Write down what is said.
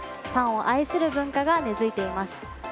パンを愛する文化が根付いています。